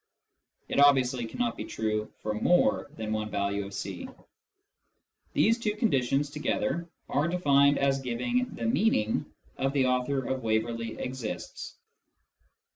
(It obviously cannot be true for more, than one value of c .) These two conditions together are defined as giving the meaning of " the author of Waverley exists."